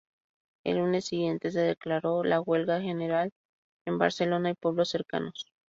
El lunes siguiente se declaró la huelga general en Barcelona y pueblos cercanos.